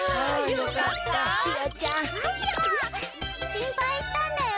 心配したんだよ。